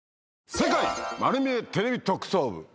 『世界まる見え！テレビ特捜部』。